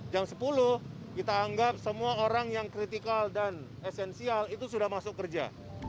jam sepuluh kita anggap semua orang yang kritikal dan esensial itu sudah masuk kerja